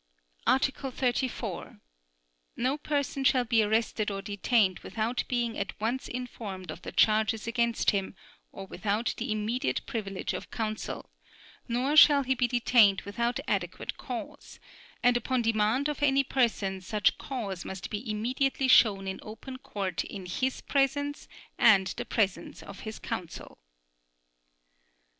Article 34. No person shall be arrested or detained without being at once informed of the charges against him or without the immediate privilege of counsel; nor shall he be detained without adequate cause; and upon demand of any person such cause must be immediately shown in open court in his presence and the presence of his counsel.